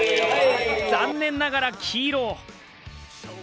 残念ながら黄色。